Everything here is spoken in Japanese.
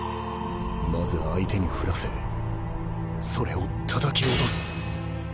まず相手に振らせそれをたたき落とす